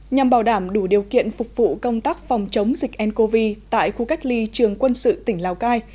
nhằm bảo đảm đủ điều kiện phục vụ công tác phòng chống dịch ncov tại khu cách ly trường quân sự tỉnh lào cai